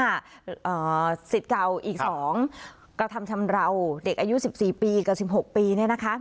สิทธิ์เก่าอีกสองกระทำชำราวเด็กอายุสิบสี่ปีกับสิบหกปีเนี่ยนะคะ